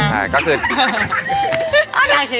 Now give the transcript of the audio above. นางเฮฮา